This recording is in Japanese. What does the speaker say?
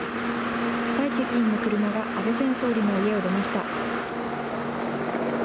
高市議員の車が安倍前総理の家を出ました。